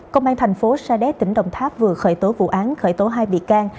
công an thành phố sa đéc tỉnh đồng tháp vừa khởi tố vụ án khởi tố hai bị can